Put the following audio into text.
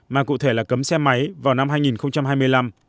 mà cụ thể là cấm xe máy vào năm hai nghìn hai mươi năm